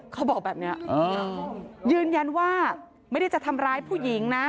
เขาบอกแบบนี้ยืนยันว่าไม่ได้จะทำร้ายผู้หญิงนะ